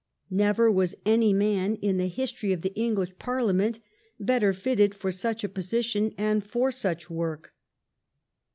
Never was any man in the history of the English Parliament better fitted for such a position and for such work.